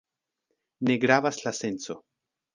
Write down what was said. Ne gravas la senco.